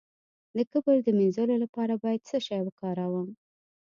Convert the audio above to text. د کبر د مینځلو لپاره باید څه شی وکاروم؟